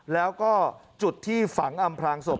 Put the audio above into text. แล้วก็จุดที่ฝังอำพลางศพ